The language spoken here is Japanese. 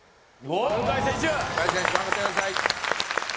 向選手向選手頑張ってください